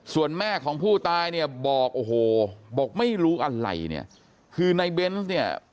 ส่วนแม่ของผู้ตายเนี่ยบอกโอ้โหบอกไม่รู้อะไรเนี่ยคือในเบนส์เนี่ย